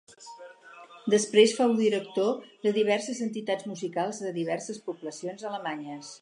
Després fou director de diverses entitats musicals de diverses poblacions alemanyes.